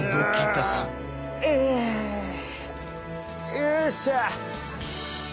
よっしゃ！